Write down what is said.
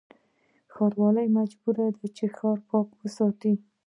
ښاروال مجبور دی چې، ښار پاک وساتي.